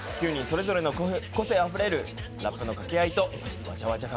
９人それぞれの個性あふれるラップのかけ合いとわ